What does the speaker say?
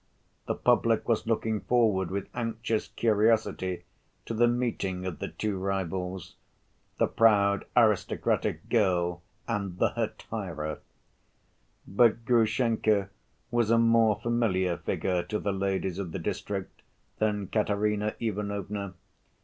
The public was looking forward with anxious curiosity to the meeting of the two rivals—the proud aristocratic girl and "the hetaira." But Grushenka was a more familiar figure to the ladies of the district than Katerina Ivanovna.